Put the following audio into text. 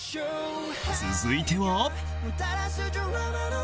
続いては